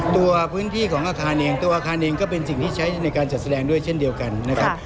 ตัวพื้นที่ของอาคารเองตัวอาคารเองก็เป็นสิ่งที่ใช้ในการจัดแสดงด้วยเช่นเดียวกันนะครับ